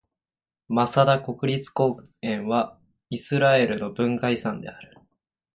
マサダ国立公園はイスラエルの文化遺産である。